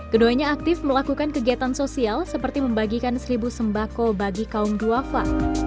keduanya aktif melakukan kegiatan sosial seperti membagikan seribu sembako bagi kaum duafa